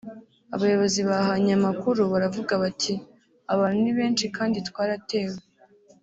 Abayobozi bahanye amakuru baravuga bati ‘abantu ni benshi kandi twaratewe’